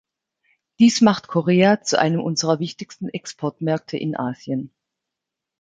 Dies macht Korea zu einem unserer wichtigsten Exportmärkte in Asien.